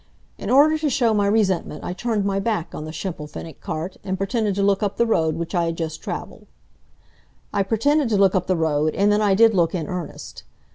In order to show my resentment I turned my back on the Schimmelpfennig cart and pretended to look up the road which I had just traveled. I pretended to look up the road, and then I did look in earnest.